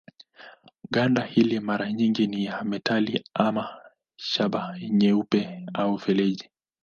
Ganda hili mara nyingi ni ya metali ama shaba nyeupe au feleji.